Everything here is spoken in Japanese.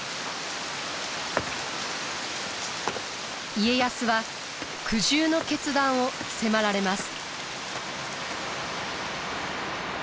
家康は苦渋の決断を迫られます。